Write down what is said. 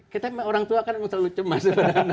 kita orang tua kan terlalu cemas